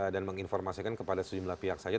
dan menginformasikan kepada sejumlah pihak saja